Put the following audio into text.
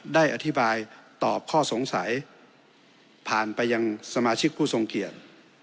ได้อธิบายตอบข้อสงสัยผ่านไปยังสมาชิกผู้ทรงเกียจ